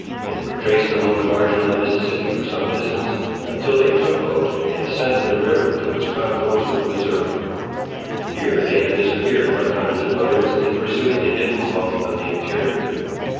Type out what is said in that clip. They were traced along the margin of the Mississippi, for some distance, until they took boat and ascended the river to its confluence with the Missouri. Here they had disappeared like hundreds of others, in pursuit of the hidden wealth of the interior.